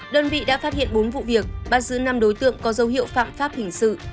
đơn vị đã phát hiện bốn vụ việc bắt giữ năm đối tượng có dấu hiệu phạm pháp hình sự